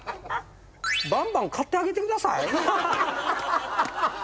「バンバン買ってあげてください」？